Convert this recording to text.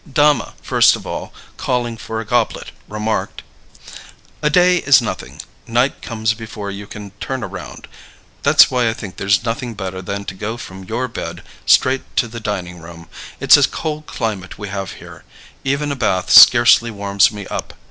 Dama, first of all, calling for a goblet, remarked: "A day is nothing. Night comes before you can turn around. That's why I think there's nothing better than to go from your bed straight to the dining room. It's a cold climate we have here. Even a bath scarcely warms me up.